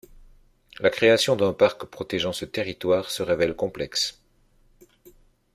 La création d'un parc protégeant ce territoire se révèle complexe.